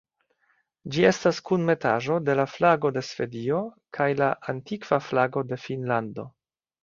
Ĝi estas kunmetaĵo de la flago de Svedio kaj la antikva flago de Finnlando.